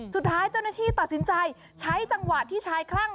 สุดท้ายเจ้าหน้าที่ตัดสินใจใช้จังหวะที่ชายคลั่ง